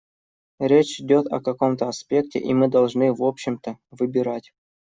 Речь идет о каком-то аспекте, и мы должны в общем-то выбирать.